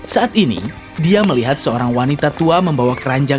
saat ini dia melihat seorang wanita tua membawa keranjang